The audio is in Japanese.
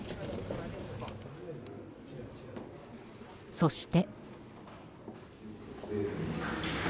そして。